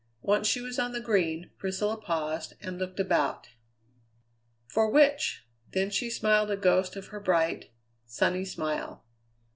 Once she was on the Green, Priscilla paused and looked about. "For which?" Then she smiled a ghost of her bright, sunny smile.